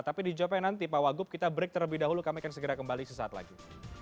tapi dijawabnya nanti pak wagub kita break terlebih dahulu kami akan segera kembali sesaat lagi